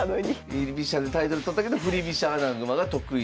居飛車でタイトル取ったけど振り飛車穴熊が得意なんですって。